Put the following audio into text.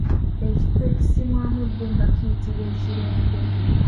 Ekifo ekisimwamu ebbumba kiyitibwa ekirembe.